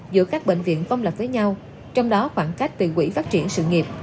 giữa các bệnh viện công lập với nhau trong đó khoảng cách từ quỹ phát triển sự nghiệp